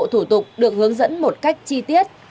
toàn bộ thủ tục được hướng dẫn một cách chi tiết